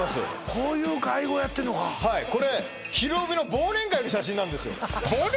こういう会合やってんのかはいこれ「ひるおび」の忘年会の写真なんですよ